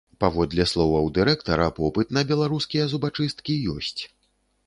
Паводле словаў дырэктара, попыт на беларускія зубачысткі ёсць.